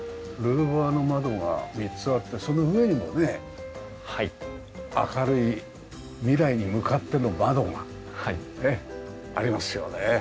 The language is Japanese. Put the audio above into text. ルーバーの窓が３つあってその上にもね明るい未来に向かっての窓がありますよね。